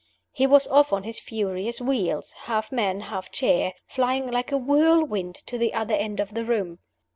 He was off on his furious wheels half man, half chair flying like a whirlwind to the other end of the room.